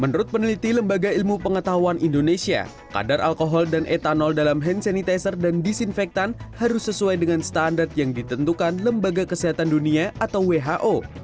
menurut peneliti lembaga ilmu pengetahuan indonesia kadar alkohol dan etanol dalam hand sanitizer dan disinfektan harus sesuai dengan standar yang ditentukan lembaga kesehatan dunia atau who